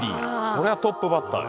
これはトップバッター。